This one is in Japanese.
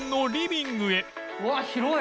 うわ広い！